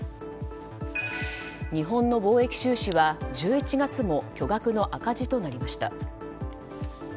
日本の貿易収支は１１月も巨額の赤字となりました。